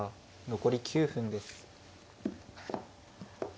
残り９分です。